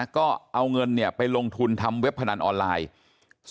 ก็เอาเงินไปลงทุนทำเว็บพนันออนไลน์